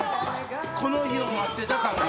この日を待ってた感が